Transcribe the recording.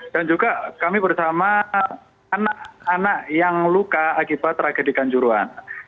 dan juga kami bersama anak anak yang luka akibat tragedikan juruan